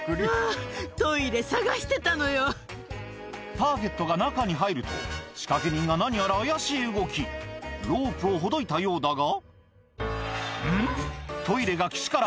ターゲットが中に入ると仕掛け人が何やら怪しい動きロープをほどいたようだがんっ